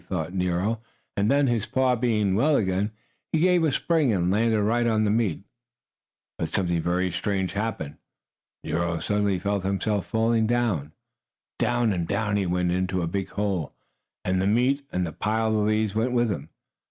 thought Nero, and then, his paw being well again, he gave a spring, and landed right on the meat. But something very strange happened. Nero suddenly felt himself falling down. Down and down he went, into a big hole, and the meat and the pile of leaves went with him.